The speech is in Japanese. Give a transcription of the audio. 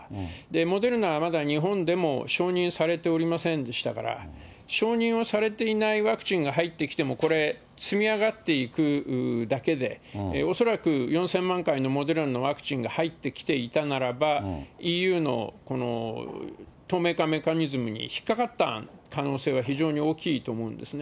モデルナはまだ日本でも承認されておりませんでしたから、承認をされていないワクチンが入ってきてもこれ、積み上がっていくだけで、恐らく４０００万回のモデルナのワクチンが入ってきていたならば、ＥＵのメカニズムに引っ掛かった可能性が非常に大きいと思うんですね。